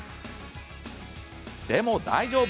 でも大丈夫。